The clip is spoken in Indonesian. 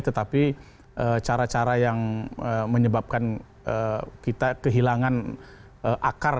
tetapi cara cara yang menyebabkan kita kehilangan akar